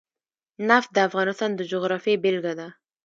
نفت د افغانستان د جغرافیې بېلګه ده.